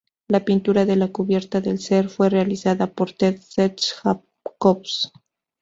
La pintura de la cubierta del ser fue realizada por Ted Seth Jacobs.